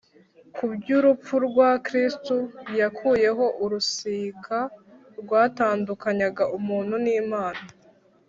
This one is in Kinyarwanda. kubw’urupfu rwe Kristo yakuyeho urusika rwatandukanyaga umuntu n'Imana.